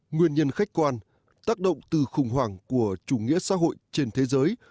nguyên nhân khách quan tác động từ khủng hoảng của chủ nghĩa xã hội trên thế giới